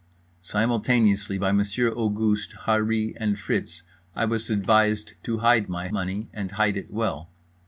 Simultaneously by Monsieur Auguste Harree and Fritz I was advised to hide my money and hide it well.